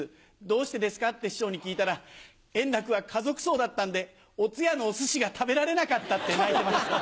「どうしてですか？」って師匠に聞いたら円楽は家族葬だったんでお通夜のお寿司が食べられなかったって泣いてました。